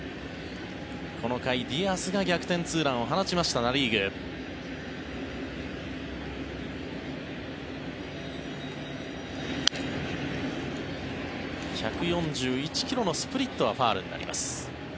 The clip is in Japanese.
この回、ディアスが逆転ツーランを放ちましたナ・リーグ。１４１ｋｍのスプリットはファウルになります。